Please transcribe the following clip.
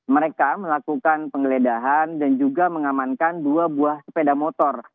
mereka melakukan penggeledahan dan juga mengamankan dua buah sepeda motor